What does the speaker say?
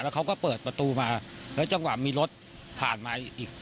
เขาก็เปิดประตูมาแล้วจังหวะมีรถผ่านมาอีก